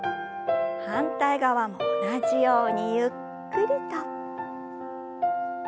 反対側も同じようにゆっくりと。